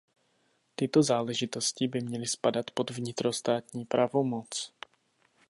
Tyto záležitosti by měly spadat pod vnitrostátní pravomoc.